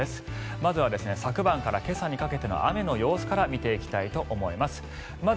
まずは昨晩から今朝にかけての雨の様子から見ていきたいと思います。